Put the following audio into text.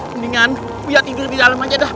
mendingan uya tidur di dalem aja dah